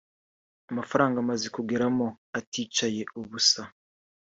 amafaranga amaze kugeramo aticaye ubusa